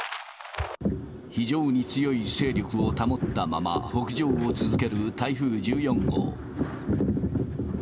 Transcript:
非常に強い勢力を保ったまま北上を続ける台風１４号。